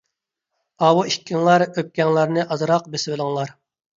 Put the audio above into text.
ئاۋۇ ئىككىڭلار ئۆپكەڭلارنى ئازراق بېسىۋېلىڭلار.